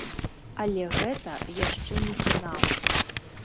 Але гэта яшчэ не фінал!